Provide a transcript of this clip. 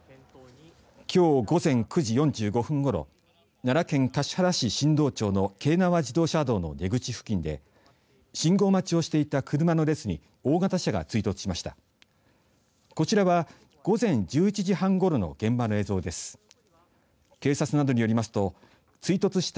きょう午前９時４５分ごろ奈良県橿原市の新堂町の京奈和自動車道の出口付近で信号待ちをしていた車の列に大型車が追突しました。